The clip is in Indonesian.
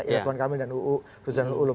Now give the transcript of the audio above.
ilatwan kamil dan uu ruzlanul ulum